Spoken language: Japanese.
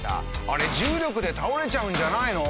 あれ重力で倒れちゃうんじゃないの？